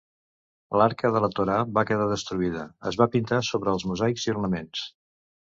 L'arca de la torà va quedar destruïda; es va pintar sobre els mosaics i ornaments.